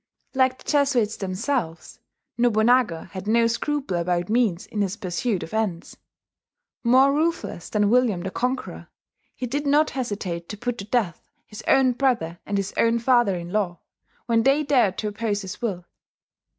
Like the Jesuits themselves, Nobunaga had no scruple about means in his pursuit of ends. More ruthless than William the Conqueror, he did not hesitate to put to death his own brother and his own father in law, when they dared to oppose his will.